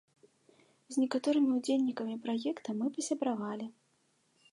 З некаторымі ўдзельнікамі праекта мы пасябравалі.